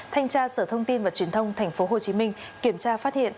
thanh tra sở thông tin và truyền thông tp hcm kiểm tra phát hiện